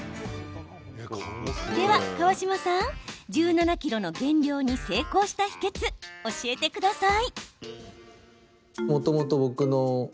では、川島さん１７ｋｇの減量に成功した秘けつ教えてください。